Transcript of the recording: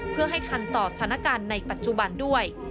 เพื่อให้ทันต่อสถานการณ์ในปัจจุบันด้วย